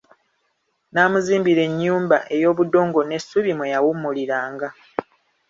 N'amuzimbira ennyumba ey'obudongo n'essubi mwe yawummuliranga.